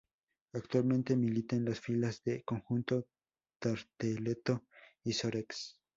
Actualmente milita en las filas del conjunto Tarteletto-Isorex.